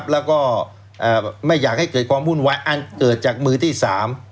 แล้วก็ไม่อยากให้เกิดความวุ่นวายอันเกิดจากมือที่สาม